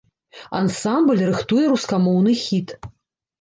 Ансамбль рыхтуе рускамоўны хіт.